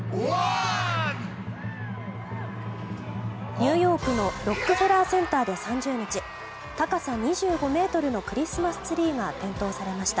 ニューヨークのロックフェラーセンターで３０日高さ２５ｍのクリスマスツリーが点灯されました。